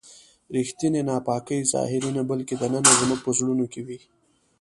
ریښتینې ناپاکي ظاهري نه بلکې دننه زموږ په زړونو کې وي.